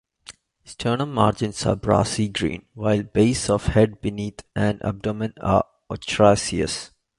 Sternum margins are brassy green while base of head beneath and abdomen are ochraceous.